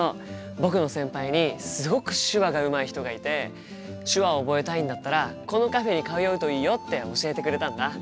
僕の先輩にすごく手話がうまい人がいて手話を覚えたいんだったらこのカフェに通うといいよって教えてくれたんだ。